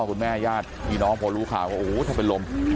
คุณพ่อคุณแม่ญาติพี่น้องพลลูกข่าวว่าโอ้โหจะเป็นลม